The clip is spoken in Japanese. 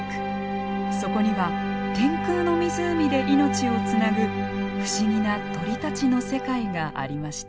そこには天空の湖で命をつなぐ不思議な鳥たちの世界がありました。